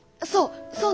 そう！